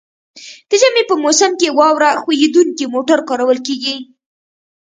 د ژمي په موسم کې واوره ښوییدونکي موټر کارول کیږي